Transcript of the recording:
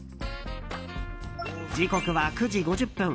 時刻は９時５０分。